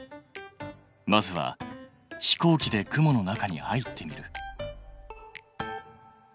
まずは飛行機で雲の中に入ってみる。